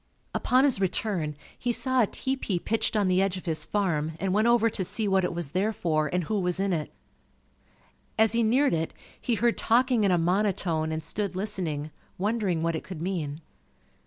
Upon his return, he saw a tepee pitched on the edge of his farm and went over to see what it was there for and who was in it. As he neared it, he heard talking in a monotone and stood listening, wondering what it could mean.